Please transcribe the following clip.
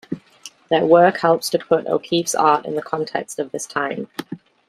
Their works help to put O'Keeffe's art in the context of this time.